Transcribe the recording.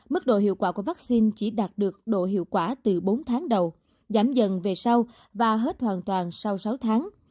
mức độ hiệu quả của vaccine chỉ đạt được độ hiệu quả từ bốn tháng đầu giảm dần về sau và hết hoàn toàn sau sáu tháng